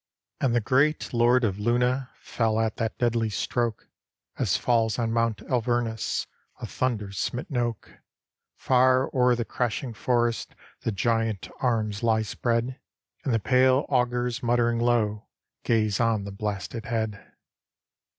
And the great Lord of Luna Fell at that deadly stroke, As falls on Mount Alvernus A thunder smitten oak. Far o'er the crashing forest The giant arms lie spread; And the pale augurs, muttering low, Gaze on the blasted head.